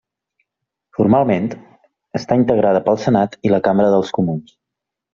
Formalment, està integrada pel Senat i la Cambra dels Comuns.